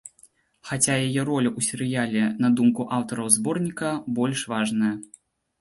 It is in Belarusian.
Хаця яе роля ў серыяле, на думку аўтараў зборніка, больш важная.